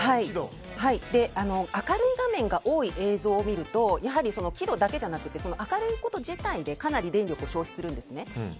明るい画面の映像を見ると輝度だけじゃなくて明るいだけでかなり電力を消費するんです。